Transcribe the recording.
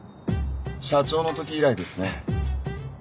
社長の時以来ですね。